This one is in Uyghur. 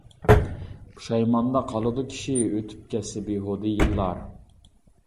پۇشايماندا قالىدۇ كىشى، ئۆتۈپ كەتسە بىھۇدە يىللار.